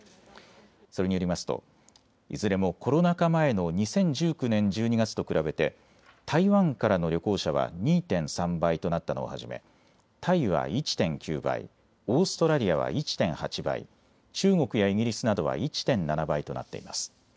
それによりますといずれもコロナ禍前の２０１９年１２月と比べて台湾からの旅行者は２．３倍となったのをはじめタイは１．９倍、オーストラリアは１．８倍、中国やイギリスなどは１．７倍となっています。